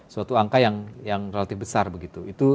suatu angka yang relatif besar begitu